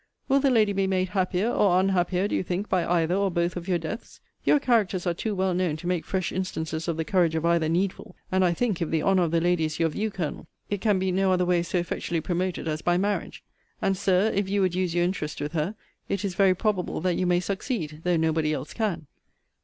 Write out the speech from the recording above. Will the lady be made happier or unhappier, do you think, by either or both of your deaths? Your characters are too well known to make fresh instances of the courage of either needful. And, I think, if the honour of the lady is your view, Colonel, it can by no other way so effectually promoted as by marriage. And, Sir, if you would use your interest with her, it is very probable that you may succeed, though nobody else can.